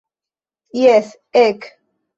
Jes, ek!